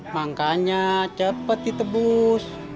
makanya cepet ditebus